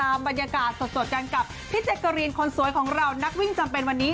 ยังไงแล้วไปติดตามบรรยากาศสวดกันกับพี่เจกกะรีนคนสวยของเรานักวิ่งจำเป็นวันนี้